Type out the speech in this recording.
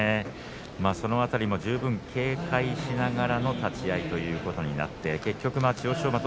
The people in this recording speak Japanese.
その辺り十分警戒しながらの立ち合いということになって結局、千代翔